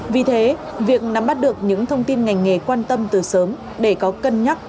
vì thế việc nắm bắt được những thông tin ngành nghề quan tâm từ sớm để có cân nhắc